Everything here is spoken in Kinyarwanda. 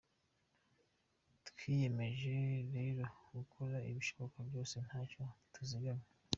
Twiyemeje lero gukora ibishoboka byose ntacyo tuzigamye